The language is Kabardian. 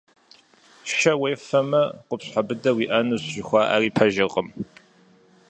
Шэ уефэмэ къупщхьэ быдэ уиӀэнущ жыхуаӀэри пэжкъым.